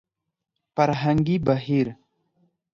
فرهنګي بهير